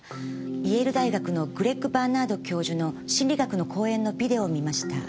イェール大学のグレッグ・バーナード教授の心理学の講演のビデオを見ました。